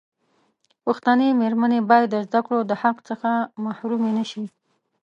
پښتنې مېرمنې باید د زدکړو دحق څخه محرومي نشي.